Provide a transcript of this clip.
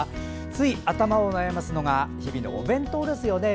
つい頭を悩ますのが日々のお弁当ですよね。